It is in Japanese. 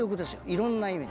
いろんな意味で。